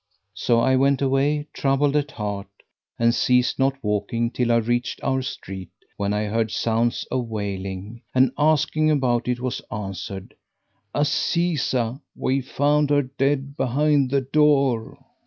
So I went away troubled at heart, and ceased not walking till I reached our street, when I heard sounds of wailing, and asking about it, was answered, "Azizah, we found her dead behind the door."